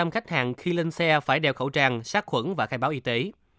một trăm linh khách hàng khi lên xe phải đeo khẩu trang sát khuẩn và khai báo y tế